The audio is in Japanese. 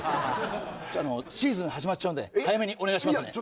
じゃあシーズン始まっちゃうんで早めにお願いしますね。